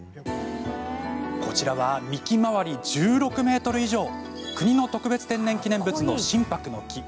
こちらは、幹周り１６ｍ以上国の特別天然記念物のシンパクの木。